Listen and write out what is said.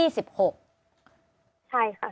ใช่ค่ะ